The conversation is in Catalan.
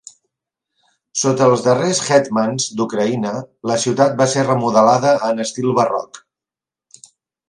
Sota els darrers hetmans d'Ucraïna, la ciutat va ser remodelada en estil barroc.